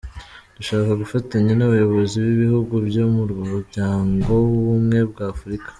Dushaka gufatanya n’abayobozi b’ibihugu byo mu Muryango w’Ubumwe bwa Afurika.